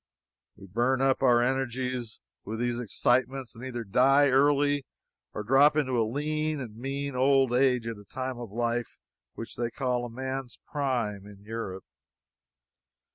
We burn up our energies with these excitements, and either die early or drop into a lean and mean old age at a time of life which they call a man's prime in Europe.